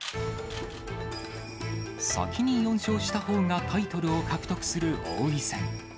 先に４勝したほうがタイトルを獲得する王位戦。